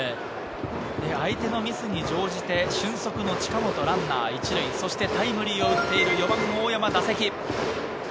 相手のミスに乗じて俊足の近本、ランナー１塁、そしてタイムリーを打っている４番・大山の打席。